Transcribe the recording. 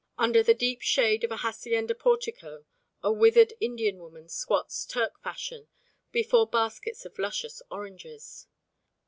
Under the deep shade of a hacienda portico a withered Indian woman squats Turk fashion before baskets of luscious oranges.